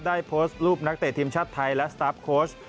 ได้โพสต์รูปนักเตะทีมชาติไทยและสตาร์ฟโค้ช